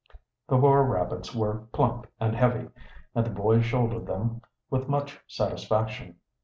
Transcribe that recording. The four rabbits were plump and heavy, and the boys shouldered them with much satisfaction.